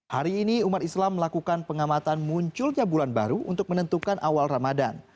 hari ini umat islam melakukan pengamatan munculnya bulan baru untuk menentukan awal ramadan